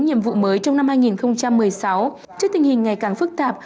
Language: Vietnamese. nhiệm vụ mới trong năm hai nghìn một mươi sáu trước tình hình ngày càng phức tạp